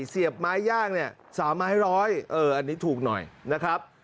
เสียบไม้ย่างเนี่ย๓ไม้ร้อยเอออันนี้ถูกหน่อยนะครับ